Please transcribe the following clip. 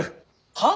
はあ？